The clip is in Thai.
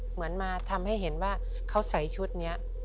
เหมือนมาทำให้เห็นว่าเขาใส่ชุดนี้